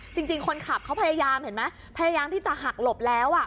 จริงคนขับเขาพยายามเห็นไหมพยายามที่จะหักหลบแล้วอ่ะ